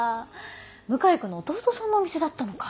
向井君の義弟さんのお店だったのか。